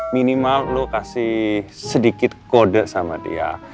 minimal lo kasih sedikit kode sama dia